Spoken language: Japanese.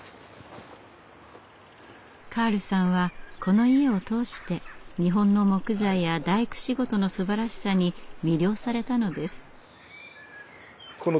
カールさんはこの家を通して日本の木材や大工仕事のすばらしさに魅了されたのです。